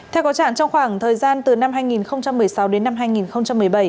theo có trạng trong khoảng thời gian từ năm hai nghìn một mươi sáu đến năm hai nghìn một mươi bảy